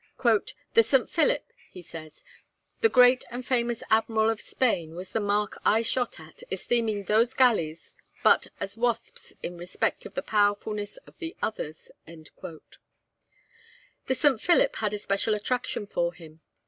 'The "St. Philip,"' he says, 'the great and famous Admiral of Spain, was the mark I shot at, esteeming those galleys but as wasps in respect of the powerfulness of the others.' The 'St. Philip' had a special attraction for him.